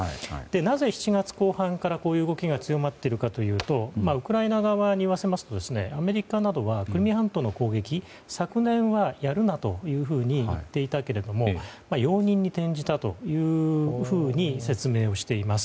なぜ７月後半からこういう動きが強まっているかというとウクライナ側にいわせますとアメリカなどはクリミア半島の攻撃昨年はやるなというふうに言っていたけれども容認に転じたと説明をしています。